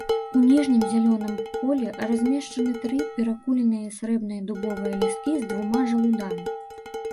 У ніжнім зялёным полі размешчаны тры перакуленыя срэбныя дубовыя лісткі з двума жалудамі.